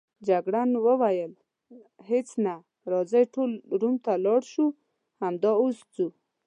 جګړن وویل: هیڅ نه، راځئ ټول روم ته ولاړ شو، همدا اوس ځو.